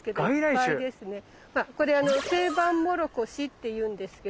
まあこれセイバンモロコシっていうんですけど。